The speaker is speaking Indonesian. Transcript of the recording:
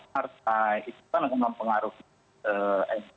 partai itu kan akan mempengaruhi nu